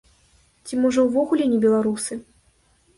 Ці, можа, увогуле не беларусы?